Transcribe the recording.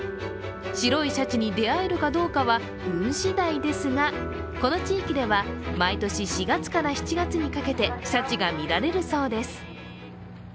白いシャチに出会えるかどうかは運しだいですが、この地域では毎年４月から７月にかけてシャチが見られるそうです。